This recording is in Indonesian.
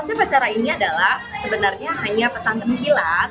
konsep acara ini adalah sebenarnya hanya pesan tengkilan